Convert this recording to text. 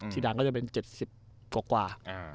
ซีดานก็จะเป็น๗๐กว่า